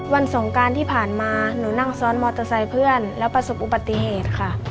สงการที่ผ่านมาหนูนั่งซ้อนมอเตอร์ไซค์เพื่อนแล้วประสบอุบัติเหตุค่ะ